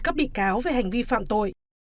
các bị cáo về hành vi phạm tội